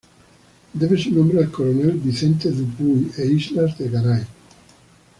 Debe su nombre al Coronel Vicente Dupuy e Islas de Garay.